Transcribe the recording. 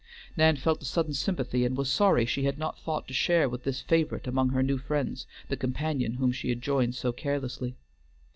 Nan felt a sudden sympathy, and was sorry she had not thought to share with this favorite among her new friends, the companion whom she had joined so carelessly.